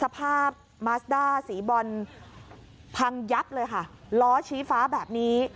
พังยับเลยค่ะล้อชี้ฟ้าแบบนี้